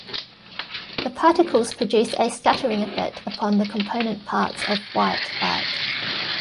The particles produce a scattering effect upon the component parts of white light.